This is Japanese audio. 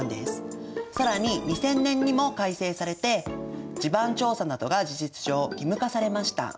更に２０００年にも改正されて地盤調査などが事実上義務化されました。